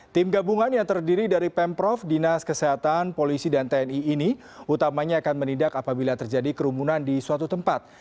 tim gabungan yang terdiri dari pemprov dinas kesehatan polisi dan tni ini utamanya akan menindak apabila terjadi kerumunan di suatu tempat